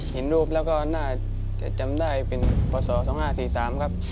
เห็นรูปแล้วก็น่าจะจำได้เป็นพศ๒๕๔๓ครับ